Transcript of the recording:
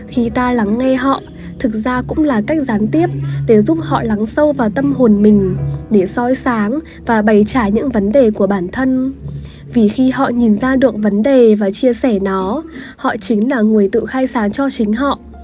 khi ta lắng nghe họ thực ra cũng là cách gián tiếp để giúp họ lắng sâu vào tâm hồn mình để soi sáng và bày trả những vấn đề của bản thân vì khi họ nhìn ra được vấn đề và chia sẻ nó họ chính là người tự khai sáng cho chính họ